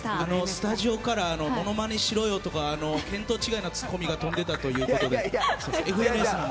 スタジオからモノマネしろよとか見当違いのツッコミが飛んでいたということで。